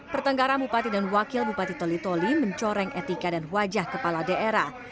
pertengkaran bupati dan wakil bupati toli toli mencoreng etika dan wajah kepala daerah